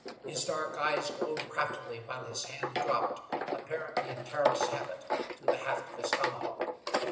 His dark eyes glowed craftily, while his hand dropped, apparently in careless habit, to the haft of his tomahawk.